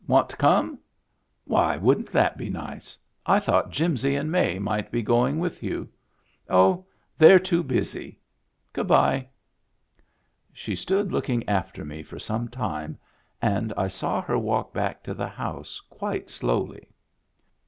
Want to come ?"" Why, wouldn't that be nice I I thought Jimsy and May might be going with you." " Oh, they're too busy. Good by." She stood looking after me for some time and I saw her walk back to the house quite slowly.